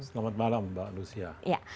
selamat malam mbak lucia